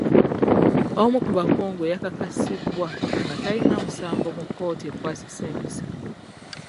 Omu ku bakungu yakakasibwa nga talina musango mu kkooti ekwasisa empisa.